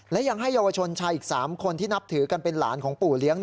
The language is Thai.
และยังให้เยาวชนชายอีก๓คนที่นับถือกันเป็นหลานของปู่เลี้ยง